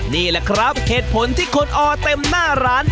นี่แหละครับเหตุผลที่คนออเต็มหน้าร้าน